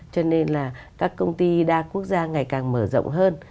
cho nên là các công ty đa quốc gia ngày càng mở rộng hơn